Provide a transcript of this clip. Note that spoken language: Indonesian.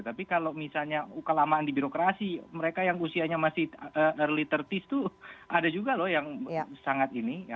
tapi kalau misalnya kelamaan di birokrasi mereka yang usianya masih early tiga puluh 's tuh ada juga loh yang sangat ini